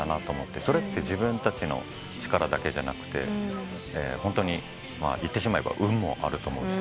それって自分たちの力だけじゃなくてホントに言ってしまえば運もあると思うし。